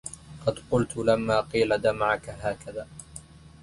قد قلت لما قيل دمعك هكذا